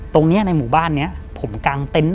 ตรงเนี่ยในหมู่บ้านเนี่ยผมกางเต้น